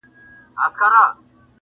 لګېده به نرم نرم بوی د ګلو